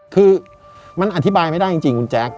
คือมันอธิบายไม่ได้จริงคุณแจ๊ค